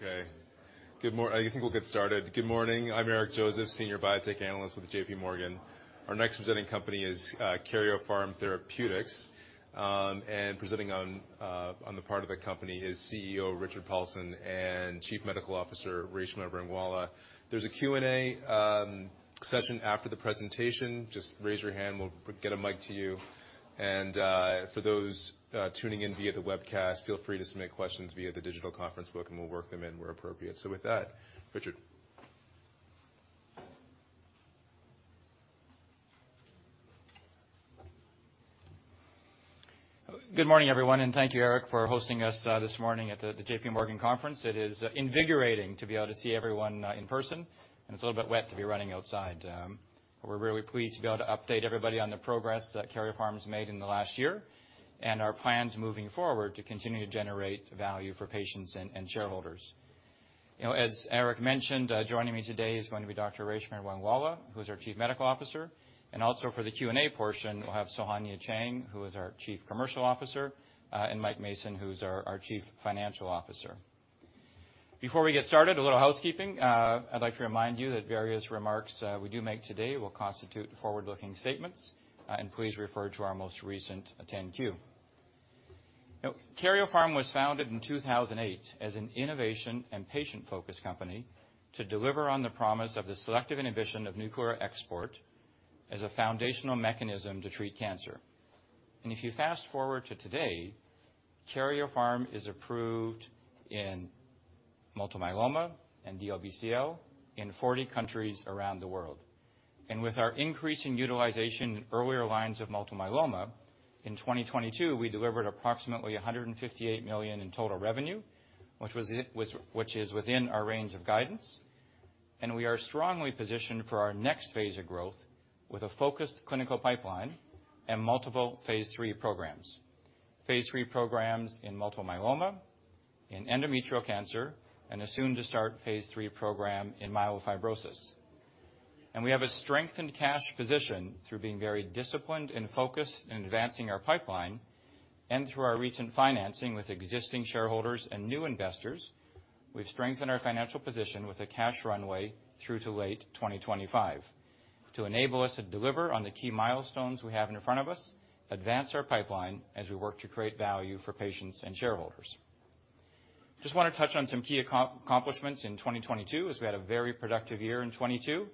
Okay. I think we'll get started. Good morning. I'm Eric Joseph, Senior Biotech Analyst with JPMorgan. Our next presenting company is Karyopharm Therapeutics, and presenting on the part of the company is CEO, Richard Paulson, and Chief Medical Officer, Reshma Rangwala. There's a Q&A session after the presentation. Just raise your hand. We'll get a mic to you. For those tuning in via the webcast, feel free to submit questions via the digital conference book, and we'll work them in where appropriate. With that, Richard. Good morning, everyone, thank you, Eric, for hosting us this morning at the JPMorgan conference. It is invigorating to be able to see everyone in person, it's a little bit wet to be running outside. We're really pleased to be able to update everybody on the progress that Karyopharm has made in the last year and our plans moving forward to continue to generate value for patients and shareholders. You know, as Eric mentioned, joining me today is going to be Dr. Reshma Rangwala, who's our Chief Medical Officer, and also for the Q&A portion, we'll have Sohanya Cheng, who is our Chief Commercial Officer, and Mike Mason, who's our Chief Financial Officer. Before we get started, a little housekeeping. I'd like to remind you that various remarks we do make today will constitute forward-looking statements. Please refer to our most recent 10-Q. Now, Karyopharm was founded in 2008 as an innovation and patient-focused company to deliver on the promise of the selective inhibition of nuclear export as a foundational mechanism to treat cancer. If you fast-forward to today, Karyopharm is approved in multiple myeloma and DLBCL in 40 countries around the world. With our increasing utilization in earlier lines of multiple myeloma, in 2022, we delivered approximately $158 million in total revenue, which is within our range of guidance. We are strongly positioned for our next phase of growth with a focused clinical pipeline and multiple phase III programs. Phase III programs in multiple myeloma, in endometrial cancer, a soon-to-start phase III program in myelofibrosis. We have a strengthened cash position through being very disciplined and focused in advancing our pipeline and through our recent financing with existing shareholders and new investors. We've strengthened our financial position with a cash runway through to late 2025 to enable us to deliver on the key milestones we have in front of us, advance our pipeline as we work to create value for patients and shareholders. Just wanna touch on some key accomplishments in 2022, as we had a very productive year in 2022.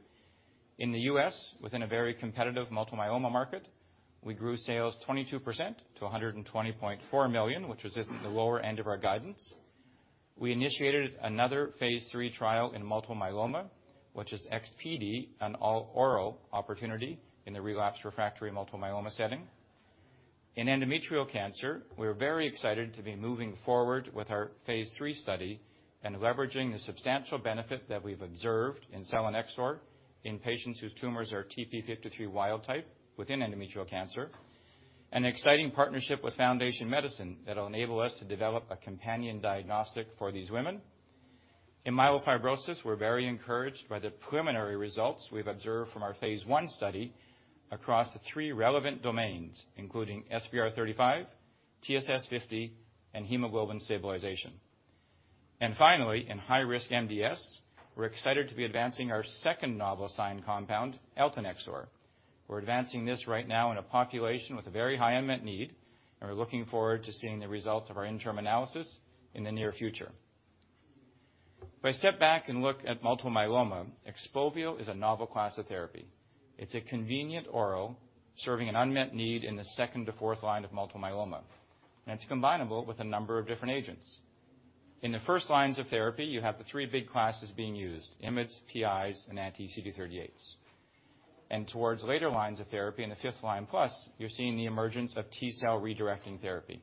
In the U.S., within a very competitive multiple myeloma market, we grew sales 22% to $120.4 million, which is at the lower end of our guidance. We initiated another phase III trial in multiple myeloma, which is XPd, an all-oral opportunity in the relapsed refractory multiple myeloma setting. In endometrial cancer, we're very excited to be moving forward with our phase III study and leveraging the substantial benefit that we've observed in selinexor in patients whose tumors are TP53 wild-type within endometrial cancer. An exciting partnership with Foundation Medicine that'll enable us to develop a companion diagnostic for these women. In myelofibrosis, we're very encouraged by the preliminary results we've observed from our phase I study across the three relevant domains, including SVR35, TSS50, and hemoglobin stabilization. Finally, in high-risk MDS, we're excited to be advancing our second novel SINE compound, eltanexor. We're advancing this right now in a population with a very high unmet need, and we're looking forward to seeing the results of our interim analysis in the near future. If I step back and look at multiple myeloma, ixabepilone is a novel class of therapy. It's a convenient oral serving an unmet need in the second to fourth line of multiple myeloma, and it's combinable with a number of different agents. In the first lines of therapy, you have the three big classes being used, IMiDs, PIs, and anti-CD38s. Towards later lines of therapy, in the fifth line plus, you're seeing the emergence of T-cell redirecting therapy.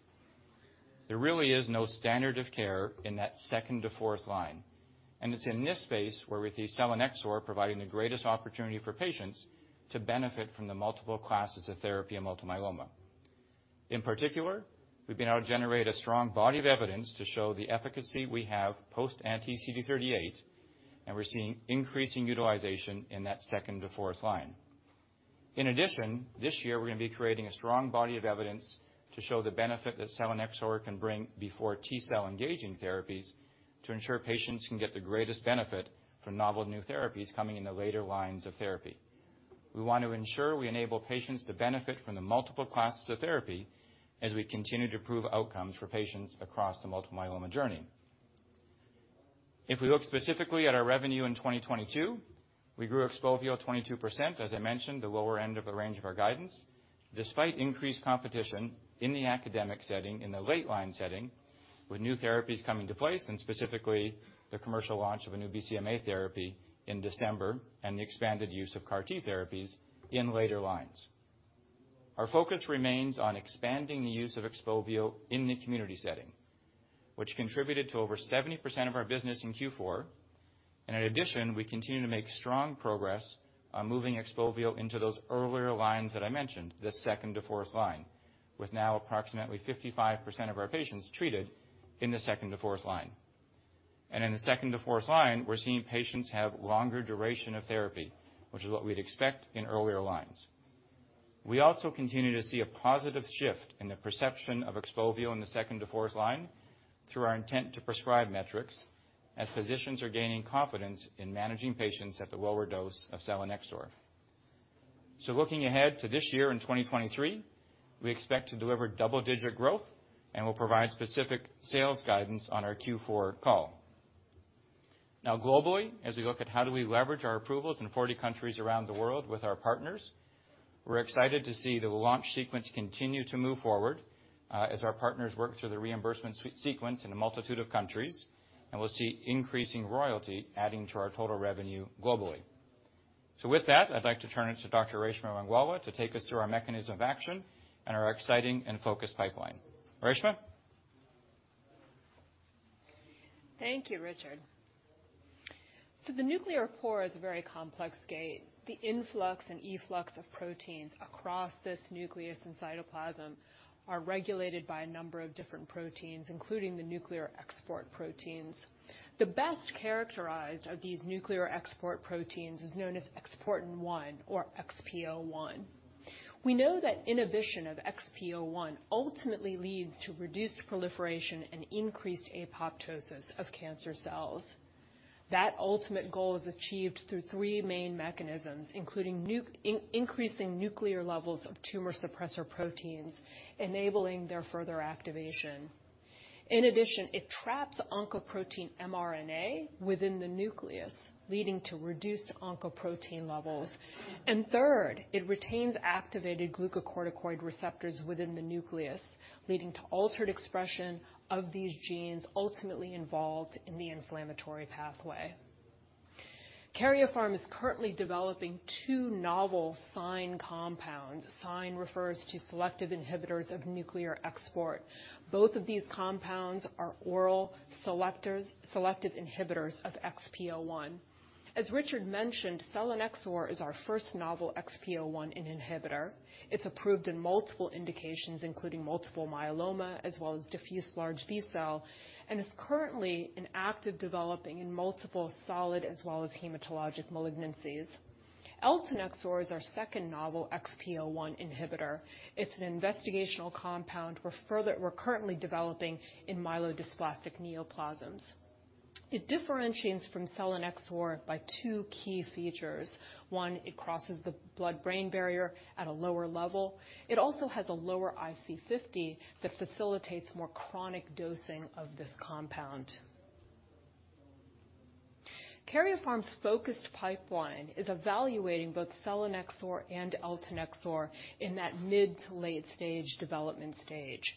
There really is no standard of care in that second to fourth line, and it's in this space where we see selinexor providing the greatest opportunity for patients to benefit from the multiple classes of therapy in multiple myeloma. In particular, we've been able to generate a strong body of evidence to show the efficacy we have post-anti-CD38, and we're seeing increasing utilization in that second to fourth line. In addition, this year, we're gonna be creating a strong body of evidence to show the benefit that selinexor can bring before T-cell-engaging therapies to ensure patients can get the greatest benefit from novel new therapies coming in the later lines of therapy. We want to ensure we enable patients to benefit from the multiple classes of therapy as we continue to prove outcomes for patients across the multiple myeloma journey. If we look specifically at our revenue in 2022, we grew ixabepilone 22%, as I mentioned, the lower end of the range of our guidance, despite increased competition in the academic setting, in the late line setting, with new therapies coming to place and specifically the commercial launch of a new BCMA therapy in December and the expanded use of CAR-T therapies in later lines. Our focus remains on expanding the use of ixabepilone in the community setting, which contributed to over 70% of our business in Q4. In addition, we continue to make strong progress on moving ixabepilone into those earlier lines that I mentioned, the second to fourth line, with now approximately 55% of our patients treated in the second to fourth line. In the second to fourth line, we're seeing patients have longer duration of therapy, which is what we'd expect in earlier lines. We also continue to see a positive shift in the perception of XPOVIO in the second to fourth line through our intent to prescribe metrics, as physicians are gaining confidence in managing patients at the lower dose of selinexor. Looking ahead to this year in 2023, we expect to deliver double-digit growth and will provide specific sales guidance on our Q4 call. Globally, as we look at how do we leverage our approvals in 40 countries around the world with our partners, we're excited to see the launch sequence continue to move forward as our partners work through the reimbursement sequence in a multitude of countries, and we'll see increasing royalty adding to our total revenue globally. With that, I'd like to turn it to Dr. Reshma Rangwala to take us through our mechanism of action and our exciting and focused pipeline. Reshma? Thank you, Richard. The nuclear pore is a very complex gate. The influx and efflux of proteins across this nucleus and cytoplasm are regulated by a number of different proteins, including the nuclear export proteins. The best characterized of these nuclear export proteins is known as Exportin 1 or XPO1. We know that inhibition of XPO1 ultimately leads to reduced proliferation and increased apoptosis of cancer cells. That ultimate goal is achieved through three main mechanisms, including increasing nuclear levels of tumor suppressor proteins, enabling their further activation. In addition, it traps oncoprotein mRNA within the nucleus, leading to reduced oncoprotein levels. Third, it retains activated glucocorticoid receptors within the nucleus, leading to altered expression of these genes ultimately involved in the inflammatory pathway. Karyopharm is currently developing two novel SINE compounds. SINE refers to selective inhibitors of nuclear export. Both of these compounds are oral selective inhibitors of XPO1. As Richard mentioned, selinexor is our first novel XPO1 inhibitor. It's approved in multiple indications, including multiple myeloma as well as diffuse large B-cell, and is currently in active developing in multiple solid as well as hematologic malignancies. eltanexor is our second novel XPO1 inhibitor. It's an investigational compound we're currently developing in myelodysplastic neoplasms. It differentiates from selinexor by two key features. One, it crosses the blood-brain barrier at a lower level. It also has a lower IC50 that facilitates more chronic dosing of this compound. Karyopharm's focused pipeline is evaluating both selinexor and eltanexor in that mid to late stage development stage.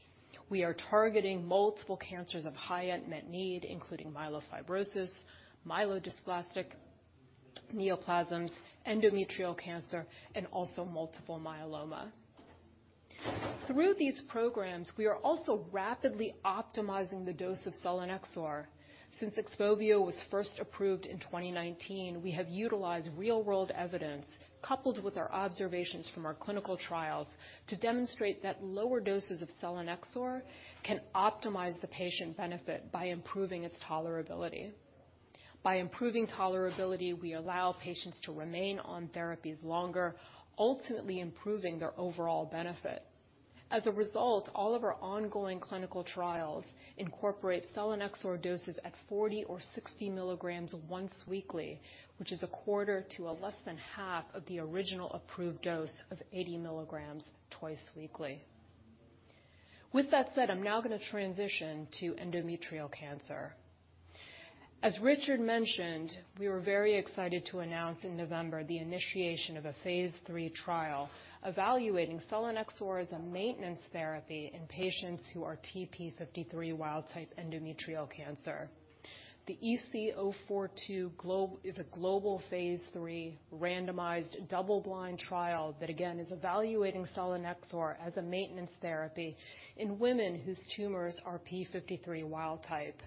We are targeting multiple cancers of high unmet need, including myelofibrosis, myelodysplastic neoplasms, endometrial cancer, and also multiple myeloma. Through these programs, we are also rapidly optimizing the dose of selinexor. Since XPOVIO was first approved in 2019, we have utilized real-world evidence coupled with our observations from our clinical trials to demonstrate that lower doses of selinexor can optimize the patient benefit by improving its tolerability. By improving tolerability, we allow patients to remain on therapies longer, ultimately improving their overall benefit. As a result, all of our ongoing clinical trials incorporate selinexor doses at 40 mg or 60 mg once weekly, which is a quarter to a less than half of the original approved dose of 80 mg twice weekly. With that said, I'm now gonna transition to endometrial cancer. Richard mentioned, we were very excited to announce in November the initiation of a phase III trial evaluating selinexor as a maintenance therapy in patients who are TP53 wild-type endometrial cancer. The EC-042 is a global phase III randomized double blind trial that again, is evaluating selinexor as a maintenance therapy in women whose tumors are TP53 wild-type.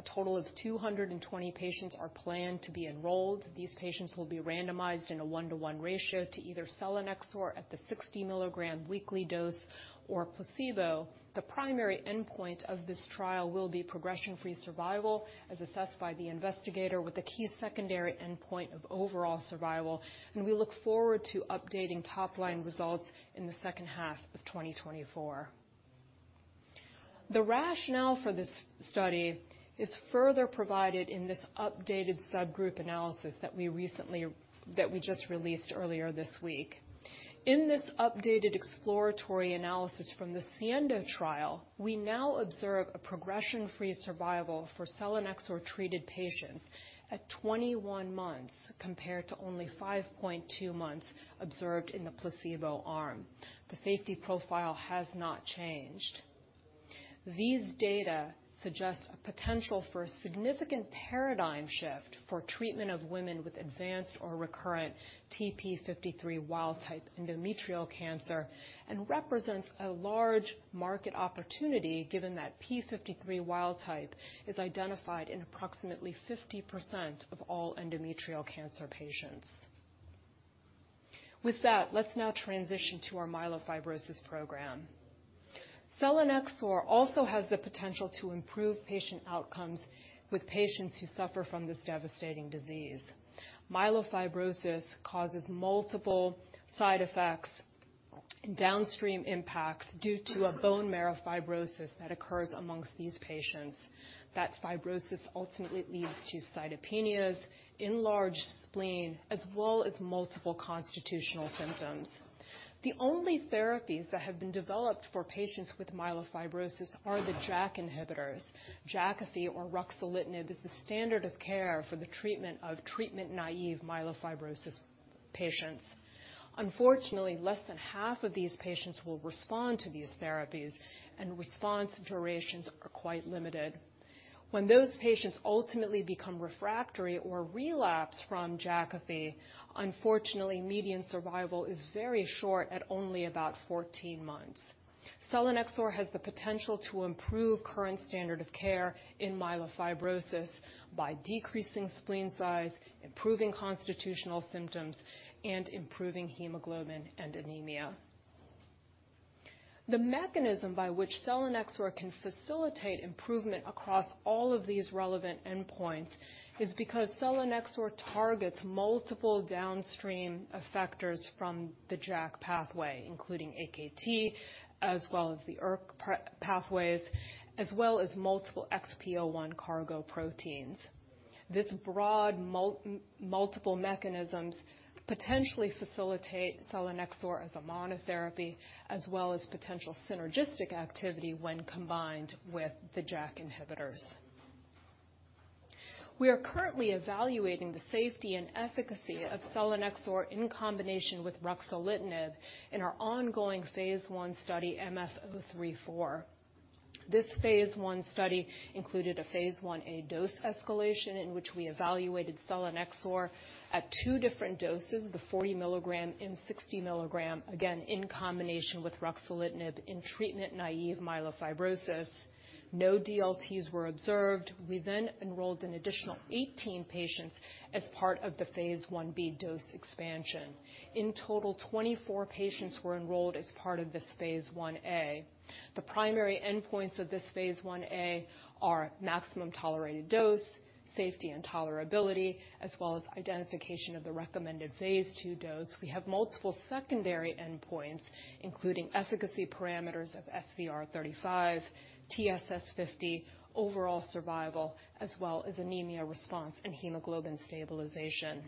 A total of 220 patients are planned to be enrolled. These patients will be randomized in a 1:1 ratio to either selinexor at the 60-mg weekly dose or placebo. The primary endpoint of this trial will be progression-free survival as assessed by the investigator with the key secondary endpoint of overall survival. We look forward to updating top-line results in the second half of 2024. The rationale for this study is further provided in this updated subgroup analysis that we just released earlier this week. In this updated exploratory analysis from the SIENDO trial, we now observe a progression-free survival for selinexor-treated patients at 21 months, compared to only 5.2 months observed in the placebo arm. The safety profile has not changed. These data suggest a potential for a significant paradigm shift for treatment of women with advanced or recurrent TP53 wild-type endometrial cancer and represents a large market opportunity given that P53 wild-type is identified in approximately 50% of all endometrial cancer patients. With that, let's now transition to our myelofibrosis program. Selinexor also has the potential to improve patient outcomes with patients who suffer from this devastating disease. Myelofibrosis causes multiple side effects and downstream impacts due to a bone marrow fibrosis that occurs amongst these patients. That fibrosis ultimately leads to cytopenias, enlarged spleen, as well as multiple constitutional symptoms. The only therapies that have been developed for patients with myelofibrosis are the JAK inhibitors. Jakafi or ruxolitinib is the standard of care for the treatment of treatment-naive myelofibrosis patients. Unfortunately, less than half of these patients will respond to these therapies, and response durations are quite limited. When those patients ultimately become refractory or relapse from Jakafi, unfortunately, median survival is very short at only about 14 months. Selinexor has the potential to improve current standard of care in myelofibrosis by decreasing spleen size, improving constitutional symptoms, and improving hemoglobin and anemia. The mechanism by which selinexor can facilitate improvement across all of these relevant endpoints is because selinexor targets multiple downstream effectors from the JAK pathway, including Akt, as well as the ERK pathways, as well as multiple XPO1 cargo proteins. This broad multiple mechanisms potentially facilitate selinexor as a monotherapy as well as potential synergistic activity when combined with the JAK inhibitors. We are currently evaluating the safety and efficacy of selinexor in combination with ruxolitinib in our ongoing phase I study, XPORT-MF-034. This phase I study included a phase I-A dose escalation in which we evaluated selinexor at two different doses, the 40 mg and 60 mg, again in combination with ruxolitinib in treatment-naive myelofibrosis. No DLTs were observed. We enrolled an additional 18 patients as part of the phase I-B dose expansion. In total, 24 patients were enrolled as part of this phase I-A. The primary endpoints of this phase I-A are maximum tolerated dose, safety, and tolerability, as well as identification of the recommended phase II dose. We have multiple secondary endpoints, including efficacy parameters of SVR35, TSS50, overall survival, as well as anemia response and hemoglobin stabilization.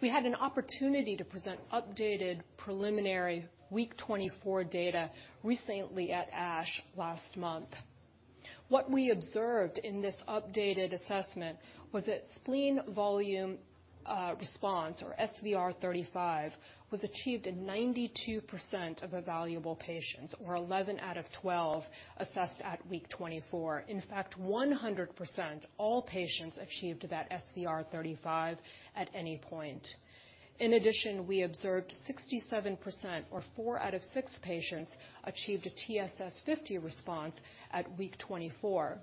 We had an opportunity to present updated preliminary week 24 data recently at ASH last month. What we observed in this updated assessment was that spleen volume response or SVR35 was achieved in 92% of evaluable patients or 11 out of 12 assessed at week 24. In fact, 100% all patients achieved that SVR35 at any point. In addition, we observed 67% or four out of six patients achieved a TSS50 response at week 24.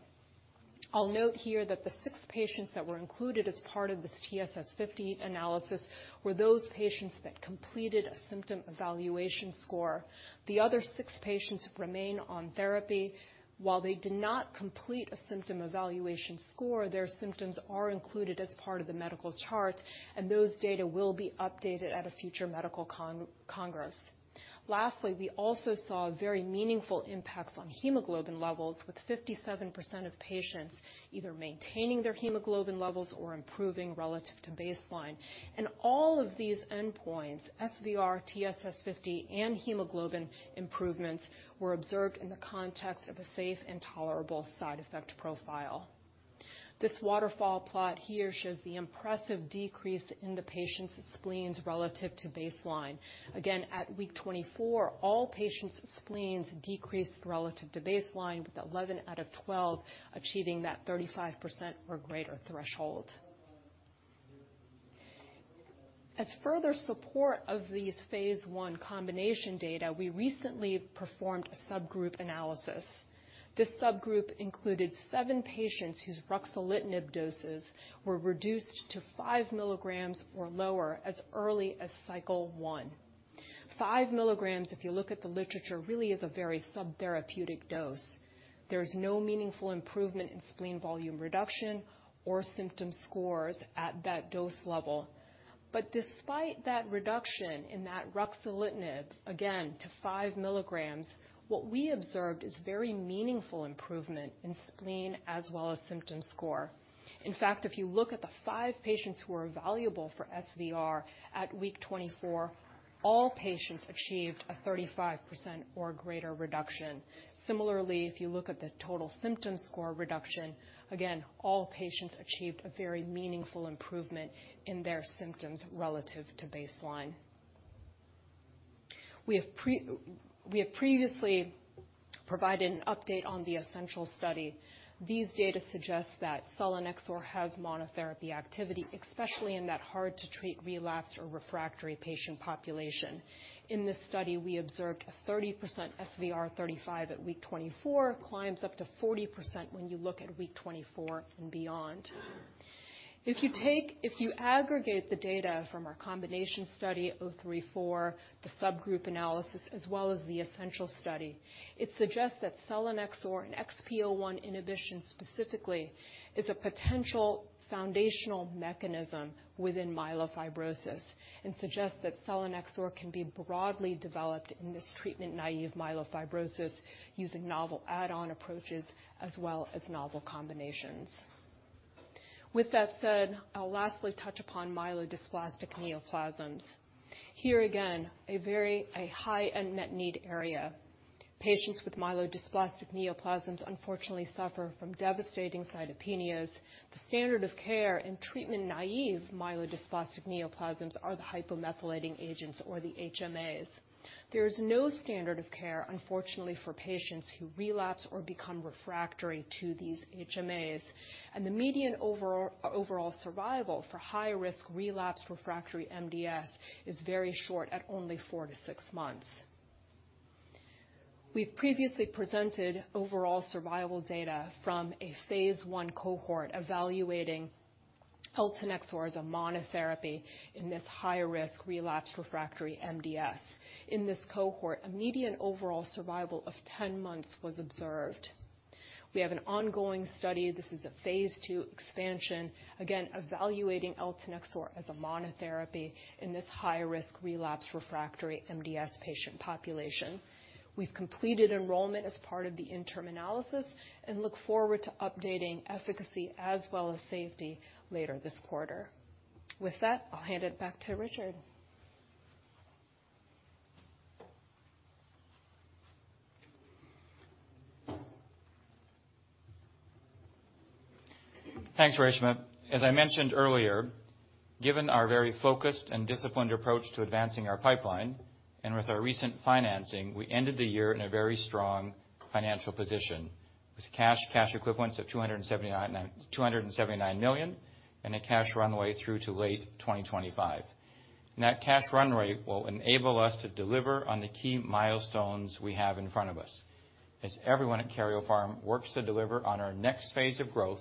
I'll note here that the six patients that were included as part of this TSS50 analysis were those patients that completed a symptom evaluation score. The other six patients remain on therapy. While they did not complete a symptom evaluation score, their symptoms are included as part of the medical chart, and those data will be updated at a future medical congress. Lastly, we also saw very meaningful impacts on hemoglobin levels, with 57% of patients either maintaining their hemoglobin levels or improving relative to baseline. All of these endpoints, SVR, TSS50, and hemoglobin improvements, were observed in the context of a safe and tolerable side effect profile. This waterfall plot here shows the impressive decrease in the patients' spleens relative to baseline. Again, at week 24, all patients' spleens decreased relative to baseline, with 11 out of 12 achieving that 35% or greater threshold. As further support of these phase I combination data, we recently performed a subgroup analysis. This subgroup included seven patients whose ruxolitinib doses were reduced to 5 mg or lower as early as cycle 1. 5 mg, if you look at the literature, really is a very subtherapeutic dose. There's no meaningful improvement in spleen volume reduction or symptom scores at that dose level. Despite that reduction in that ruxolitinib, again to 5 mg, what we observed is very meaningful improvement in spleen as well as symptom score. In fact, if you look at the five patients who are evaluable for SVR at week 24, all patients achieved a 35% or greater reduction. Similarly, if you look at the total symptom score reduction, again, all patients achieved a very meaningful improvement in their symptoms relative to baseline. We have previously provided an update on the ESSENTIAL study. These data suggest that selinexor has monotherapy activity, especially in that hard-to-treat, relapsed, or refractory patient population. In this study, we observed a 30% SVR35 at week 24, climbs up to 40% when you look at week 24 and beyond. If you aggregate the data from our combination study of 034, the subgroup analysis, as well as the ESSENTIAL study, it suggests that selinexor and XPO1 inhibition specifically is a potential foundational mechanism within myelofibrosis and suggests that selinexor can be broadly developed in this treatment-naive myelofibrosis using novel add-on approaches as well as novel combinations. With that said, I'll lastly touch upon myelodysplastic neoplasms. Here again, a very high unmet need area. Patients with myelodysplastic neoplasms unfortunately suffer from devastating cytopenias. The standard of care in treatment-naive myelodysplastic neoplasms are the hypomethylating agents or the HMAs. There is no standard of care, unfortunately, for patients who relapse or become refractory to these HMAs. The median overall survival for high-risk relapsed refractory MDS is very short at only 4-6 months. We've previously presented overall survival data from a phase I cohort evaluating Eltanexor as a monotherapy in this high-risk relapsed refractory MDS. In this cohort, a median overall survival of 10 months was observed. We have an ongoing study. This is a phase II expansion, again, evaluating Eltanexor as a monotherapy in this high-risk relapsed refractory MDS patient population. We've completed enrollment as part of the interim analysis and look forward to updating efficacy as well as safety later this quarter. With that, I'll hand it back to Richard. Thanks, Reshma. As I mentioned earlier, given our very focused and disciplined approach to advancing our pipeline and with our recent financing, we ended the year in a very strong financial position with cash equivalents of $279 million and a cash runway through to late 2025. That cash runway will enable us to deliver on the key milestones we have in front of us. As everyone at Karyopharm works to deliver on our next phase of growth,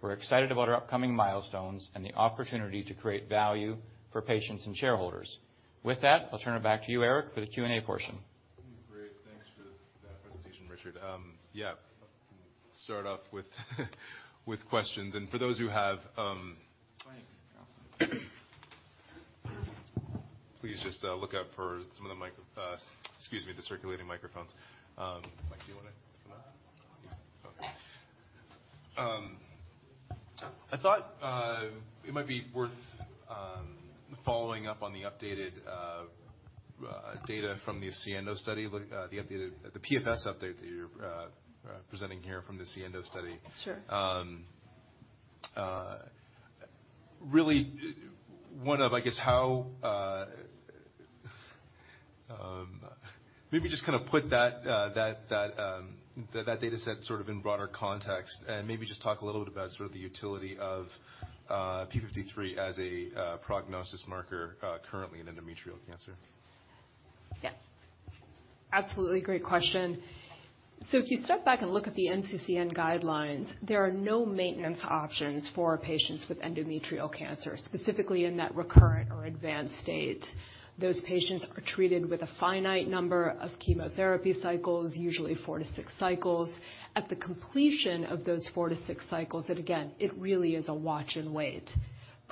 we're excited about our upcoming milestones and the opportunity to create value for patients and shareholders. With that, I'll turn it back to you, Eric, for the Q&A portion. Great. Thanks for that presentation, Richard. Yeah. Start off with questions. For those who have, please just look out for some of the, excuse me, the circulating microphones. Mike, do you wanna come up? Yeah. Okay. I thought it might be worth following up on the updated data from the SIENDO study. Look, the PFS update that you're presenting here from the SIENDO study. Sure. maybe just kinda put that data set sort of in broader context and maybe just talk a little bit about sort of the utility of TP53 as a prognosis marker currently in endometrial cancer. Yeah. Absolutely. Great question. If you step back and look at the NCCN guidelines, there are no maintenance options for patients with endometrial cancer, specifically in that recurrent or advanced state. Those patients are treated with a finite number of chemotherapy cycles, usually 4-6 cycles. At the completion of those 4-6 cycles, and again, it really is a watch and wait.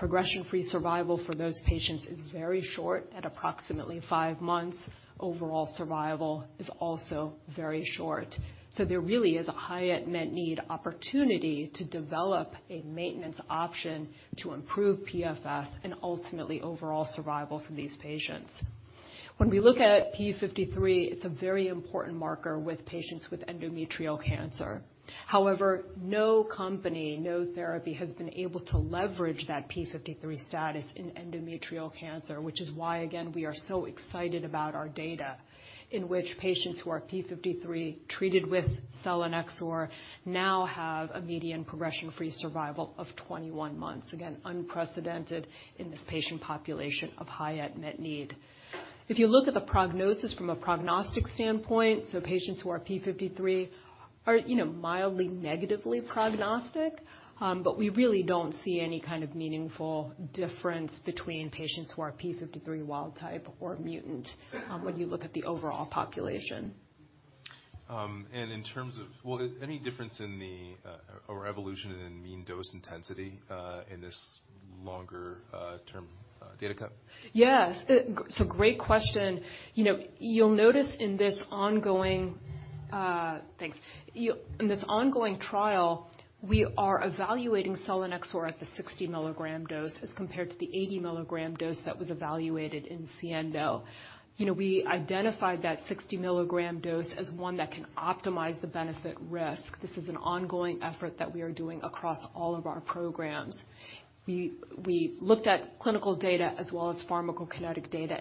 Progression-free survival for those patients is very short at approximately five months. Overall survival is also very short. There really is a high unmet need opportunity to develop a maintenance option to improve PFS and ultimately overall survival for these patients. When we look at P53, it's a very important marker with patients with endometrial cancer. No company, no therapy has been able to leverage that p53 status in endometrial cancer, which is why, we are so excited about our data in which patients who are p53 treated with Selinexor now have a median progression-free survival of 21 months. Unprecedented in this patient population of high unmet need. If you look at the prognosis from a prognostic standpoint, patients who are p53 are, you know, mildly negatively prognostic, but we really don't see any kind of meaningful difference between patients who are p53 wild-type or mutant when you look at the overall population. in terms of Well, any difference in the or evolution in mean dose intensity in this longer term data cut? Yes. Great question. You know, you'll notice in this ongoing trial, we are evaluating selinexor at the 60 mg dose as compared to the 80 mg dose that was evaluated in SIENDO. You know, we identified that 60 mg dose as one that can optimize the benefit risk. This is an ongoing effort that we are doing across all of our programs. We looked at clinical data as well as pharmacokinetic data.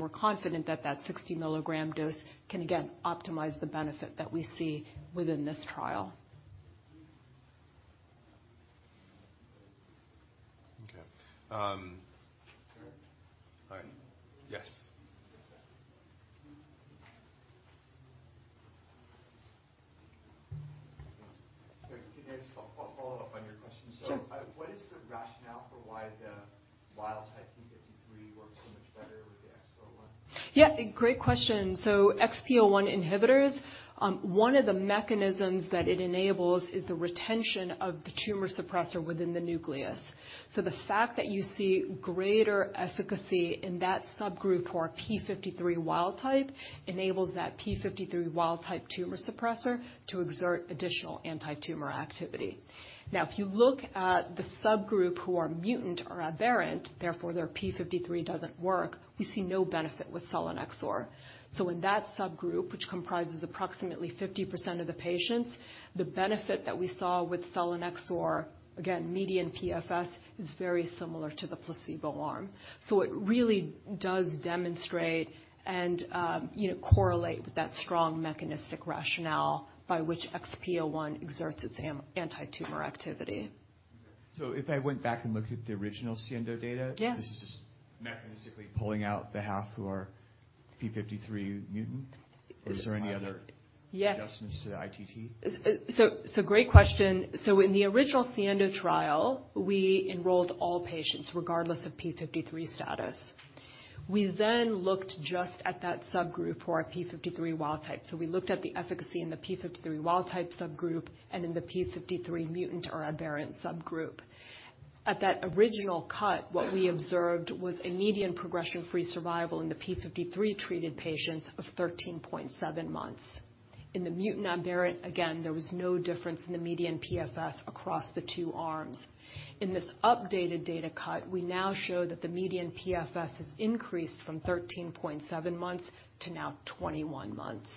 We're confident that that 60 mg dose can again optimize the benefit that we see within this trial. Okay. Eric. All right. Yes. Sorry, can I just follow up on your question? Sure. What is the rationale for why the p53 wild-type works so much better with the XPO1? Yeah, a great question. XPO1 inhibitors, one of the mechanisms that it enables is the retention of the tumor suppressor within the nucleus. The fact that you see greater efficacy in that subgroup for P53 wild-type enables that P53 wild-type tumor suppressor to exert additional antitumor activity. If you look at the subgroup who are mutant or aberrant, therefore, their P53 doesn't work, we see no benefit with selinexor. In that subgroup, which comprises approximately 50% of the patients, the benefit that we saw with selinexor, again, median PFS, is very similar to the placebo arm. It really does demonstrate and, you know, correlate with that strong mechanistic rationale by which XPO1 exerts its antitumor activity. If I went back and looked at the original SIENDO data. Yeah. This is just mechanistically pulling out the half who are p53 mutant. Is there any other... Yeah. adjustments to the ITT? Great question. In the original SIENDO trial, we enrolled all patients, regardless of p53 status. We then looked just at that subgroup who are p53 wild-type. We looked at the efficacy in the p53 wild-type subgroup and in the p53 mutant or aberrant subgroup. At that original cut, what we observed was a median progression-free survival in the p53-treated patients of 13.7 months. In the mutant aberrant, again, there was no difference in the median PFS across the two arms. In this updated data cut, we now show that the median PFS has increased from 13.7 months to now 21 months.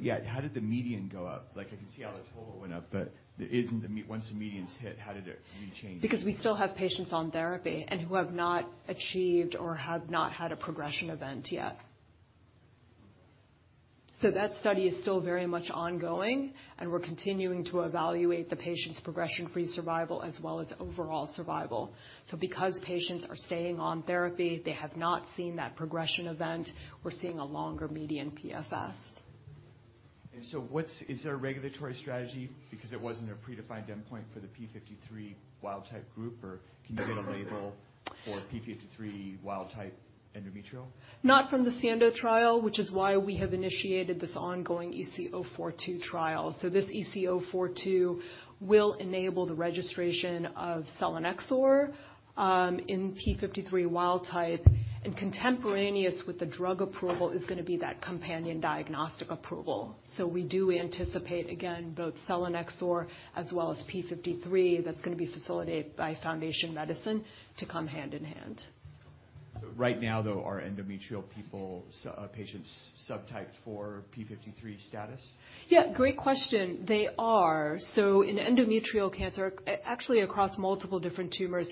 Yeah, how did the median go up? Like, I can see how the total went up, but there isn't Once the medians hit, how did it re-change? We still have patients on therapy and who have not achieved or have not had a progression event yet. That study is still very much ongoing, and we're continuing to evaluate the patient's progression-free survival as well as overall survival. Because patients are staying on therapy, they have not seen that progression event. We're seeing a longer median PFS. Is there a regulatory strategy because it wasn't a predefined endpoint for the p53 wild-type group or can you get a label for p53 wild-type endometrial? Not from the SIENDO trial, which is why we have initiated this ongoing EC-042 trial. This EC-042 will enable the registration of selinexor in p53 wild-type, and contemporaneous with the drug approval is gonna be that companion diagnostic approval. We do anticipate, again, both selinexor as well as P53 that's gonna be facilitated by Foundation Medicine to come hand in hand. Right now, though, are endometrial people patients subtyped for TP53 status? Yeah, great question. They are. In endometrial cancer, actually across multiple different tumors,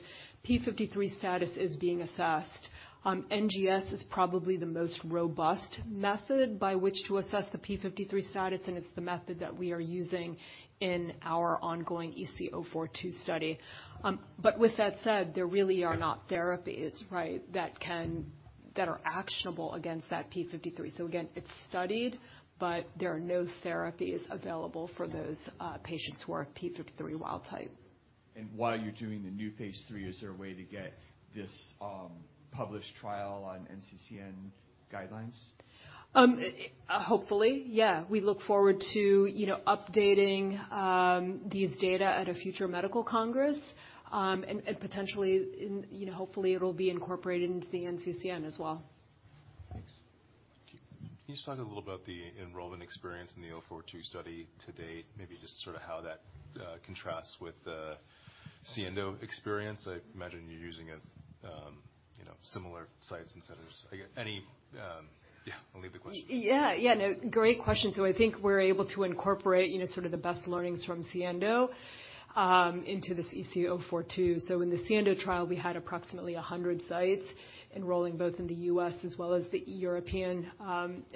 P53 status is being assessed. NGS is probably the most robust method by which to assess the P53 status, and it's the method that we are using in our ongoing EC-042 study. With that said, there really are not therapies, right, that are actionable against that P53. Again, it's studied, but there are no therapies available for those patients who are P53 wild type. While you're doing the new phase III, is there a way to get this, published trial on NCCN guidelines? Hopefully, yeah. We look forward to, you know, updating these data at a future medical congress, and potentially, you know, hopefully it'll be incorporated into the NCCN as well. Thanks. Can you just talk a little about the enrollment experience in the EC-042 study to date? Maybe just sort of how that contrasts with the SIENDO experience. I imagine you're using a, you know, similar sites and centers. Yeah, I'll leave the question. Yeah. No, great question. I think we're able to incorporate, you know, sort of the best learnings from SIENDO into this EC-042. In the SIENDO trial, we had approximately 100 sites enrolling both in the U.S. as well as the European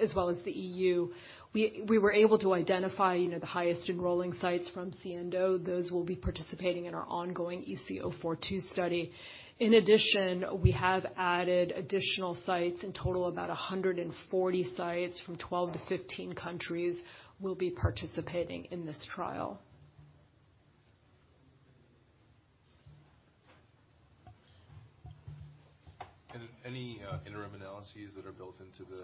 as well as the E.U. We were able to identify, you know, the highest enrolling sites from SIENDO. Those will be participating in our ongoing EC-042 study. In addition, we have added additional sites. In total about 140 sites from 12-15 countries will be participating in this trial. Any interim analyses that are built into the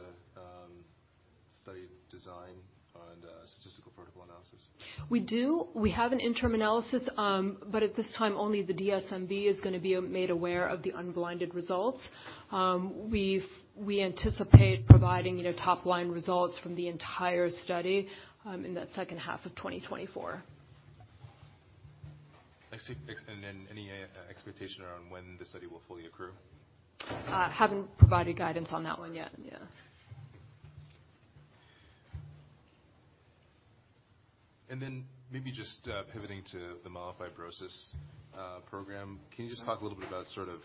study design and statistical protocol analysis? We do. We have an interim analysis, at this time, only the DSMB is gonna be made aware of the unblinded results. We anticipate providing, you know, top-line results from the entire study, in that second half of 2024. I see. Any expectation around when the study will fully accrue? Haven't provided guidance on that one yet. Yeah. Maybe just pivoting to the myelofibrosis program. Can you just talk a little bit about sort of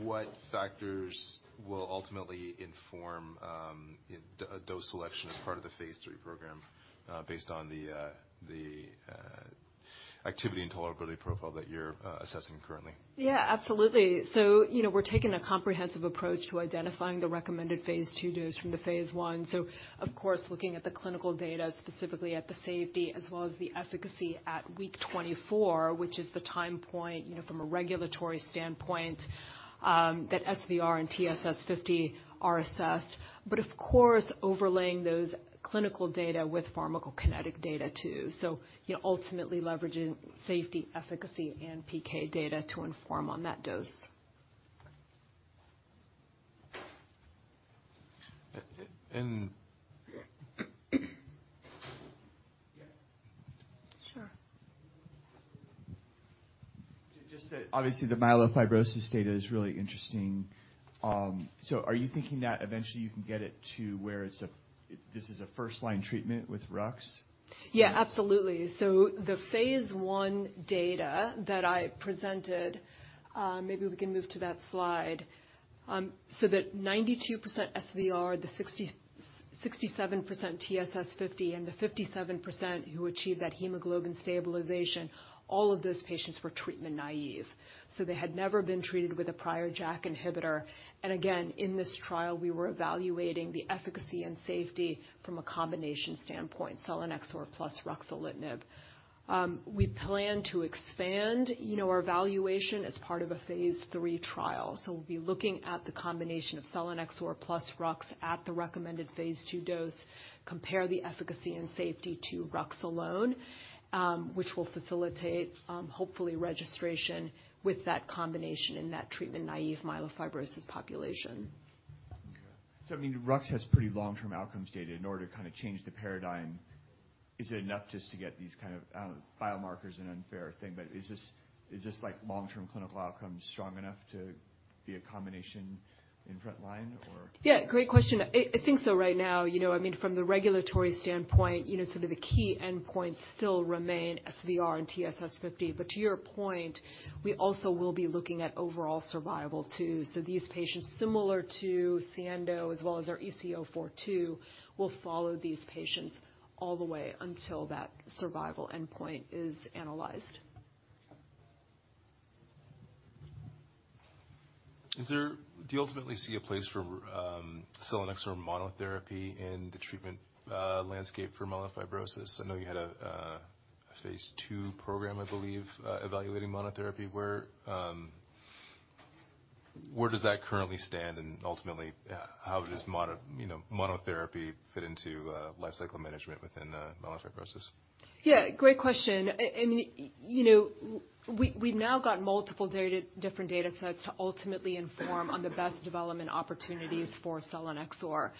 what factors will ultimately inform a dose selection as part of the phase III-program based on the activity and tolerability profile that you're assessing currently. Yeah, absolutely. You know, we're taking a comprehensive approach to identifying the recommended phase II dose from the phase I. Of course, looking at the clinical data, specifically at the safety as well as the efficacy at week 24, which is the time point, you know, from a regulatory standpoint, that SVR and TSS50 are assessed, but of course, overlaying those clinical data with pharmacokinetic data too. You know, ultimately leveraging safety, efficacy, and PK data to inform on that dose. Uh, uh, and. Sure. Just that obviously the myelofibrosis data is really interesting. Are you thinking that eventually you can get it to where this is a first-line treatment with Rux? Yeah, absolutely. The phase I data that I presented, maybe we can move to that slide. That 92% SVR, the 67% TSS50, and the 57% who achieved that hemoglobin stabilization, all of those patients were treatment naive. They had never been treated with a prior JAK inhibitor. Again, in this trial, we were evaluating the efficacy and safety from a combination standpoint, selinexor plus ruxolitinib. We plan to expand, you know, our evaluation as part of a phase III trial. We'll be looking at the combination of selinexor plus Rux at the recommended phase II dose, compare the efficacy and safety to Rux alone, which will facilitate, hopefully registration with that combination in that treatment-naive myelofibrosis population. I mean, Rux has pretty long-term outcomes data in order to kind of change the paradigm. Is it enough just to get these kind of biomarkers and unfair thing, is this like long-term clinical outcomes strong enough to be a combination in front line or? Yeah, great question. I think so right now. You know, I mean, from the regulatory standpoint, you know, some of the key endpoints still remain SVR and TSS50. To your point, we also will be looking at overall survival too. These patients, similar to SIENDO as well as our EC-042, will follow these patients all the way until that survival endpoint is analyzed. Do you ultimately see a place for selinexor monotherapy in the treatment landscape for myelofibrosis? I know you had a phase II program, I believe, evaluating monotherapy. Where does that currently stand, and ultimately, how does mono, you know, monotherapy fit into life cycle management within myelofibrosis? Yeah, great question. You know, we've now got multiple different data sets to ultimately inform on the best development opportunities for Selinexor.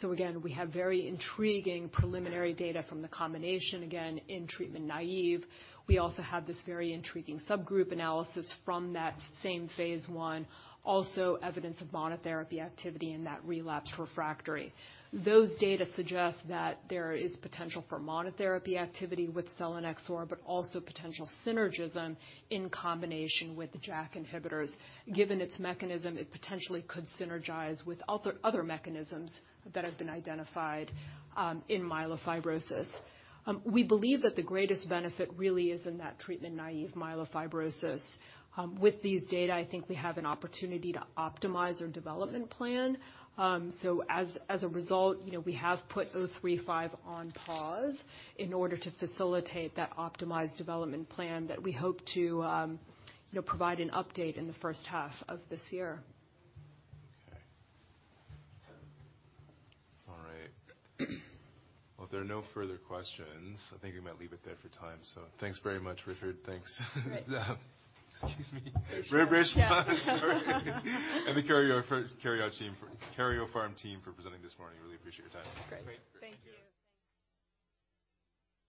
Again, we have very intriguing preliminary data from the combination, again, in treatment-naive. We also have this very intriguing subgroup analysis from that same phase I, also evidence of monotherapy activity in that relapsed refractory. Those data suggest that there is potential for monotherapy activity with Selinexor, but also potential synergism in combination with the JAK inhibitors. Given its mechanism, it potentially could synergize with other mechanisms that have been identified in myelofibrosis. We believe that the greatest benefit really is in that treatment-naive myelofibrosis. With these data, I think we have an opportunity to optimize our development plan. As a result, you know, we have put 035 on pause in order to facilitate that optimized development plan that we hope to, you know, provide an update in the first half of this year. Okay. All right. Well, if there are no further questions, I think we might leave it there for time. Thanks very much, Richard. Thanks. Great. Excuse me. Rich. Yeah. Sorry. The Karyopharm team for presenting this morning. Really appreciate your time. Great. Thank you.